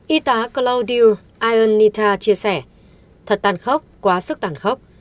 y tá claudio iannita chia sẻ thật tàn khốc quá sức tàn khốc